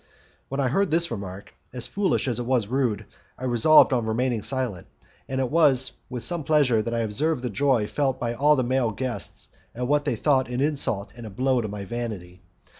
When I heard this remark, as foolish as it was rude, I resolved on remaining silent, and it was with some pleasure that I observed the joy felt by all the male guests at what they thought an insult and a blow to my vanity.